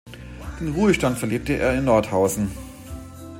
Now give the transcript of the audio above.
Den Ruhestand verlebte er in Nordhausen.